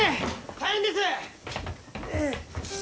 大変です！